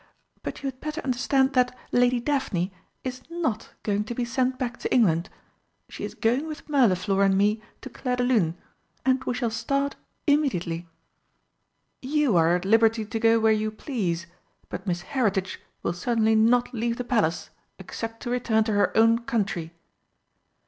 But you had better understand that Lady Daphne is not going to be sent back to England she is going with Mirliflor and me to Clairdelune, and we shall start immediately." "You are at liberty to go where you please, but Miss Heritage will certainly not leave the Palace except to return to her own country."